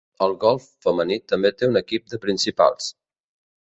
El golf femení també té un equip de principals.